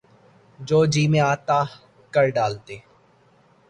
جو جی میں آتا کر ڈالتے۔